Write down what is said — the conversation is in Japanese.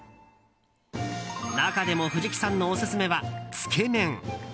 中でも、藤木さんのオススメはつけ麺。